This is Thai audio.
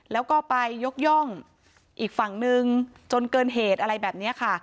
แล้วก็ไปยกย่องอีกฝั่งนึงจนเกินเหตุอะไรแบบนี้ค่ะ